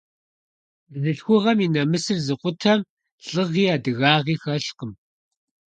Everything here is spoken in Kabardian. Бзылъхугъэм и нэмысыр зыкъутэм, лӀыгъи, адыгагъи хэлъкъым.